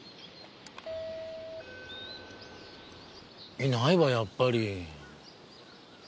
いないわやっぱり。